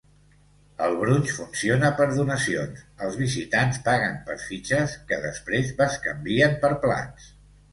El "brunch" funciona per donacions; els visitants paguen per fitxes, que després bescanvien per plats.